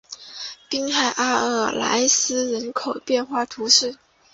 滨海阿尔日莱斯人口变化图示